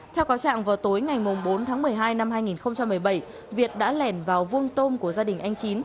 theo cáo trạng vào tối ngày bốn tháng một mươi hai năm hai nghìn một mươi bảy việt đã lẻn vào vuông tôm của gia đình anh chín